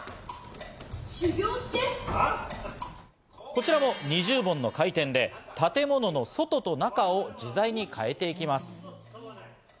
こちらも二重盆の回転で建物の外と中を自在に変えていきます。